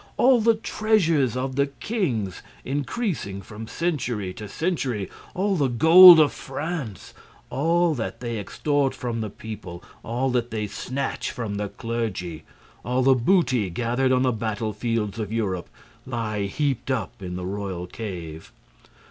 All the treasures of the kings, increasing from century to century, all the gold of France, all that they extort from the people, all that they snatch from the clergy, all the booty gathered on the battle fields of Europe lie heaped up in the royal cave.